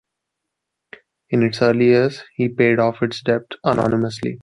In its early years, he paid off its debts anonymously.